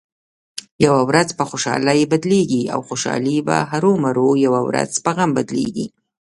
یوه ورځ په خوشحالۍ بدلېږي او خوشحالي به هرومرو یوه ورځ په غم بدلېږې.